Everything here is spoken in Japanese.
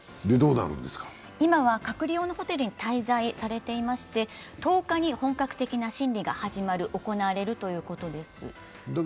今は隔離用のホテルに滞在されていまして、１０日に本格的な審理が行われるということです。